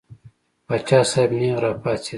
پاچا صاحب نېغ را پاڅېد.